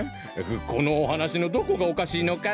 このおはなしのどこがおかしいのかな？